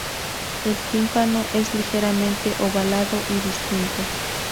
El tímpano es ligeramente ovalado y distinto.